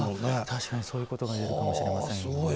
確かにそういうことが言えるかもしれませんね。